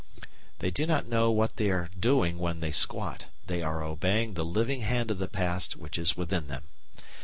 They do not know what they are doing when they squat; they are obeying the living hand of the past which is within them.